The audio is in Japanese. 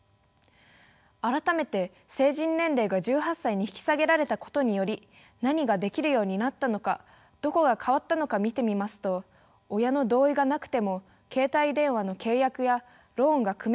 改めて成人年齢が１８歳に引き下げられたことにより何ができるようになったのかどこが変わったのか見てみますと親の同意がなくても携帯電話の契約やローンが組める。